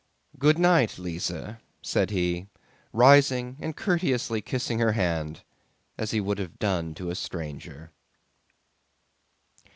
"Good night, Lise," said he, rising and courteously kissing her hand as he would have done to a stranger.